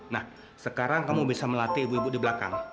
nah sekarang kamu bisa melatih ibu ibu di belakang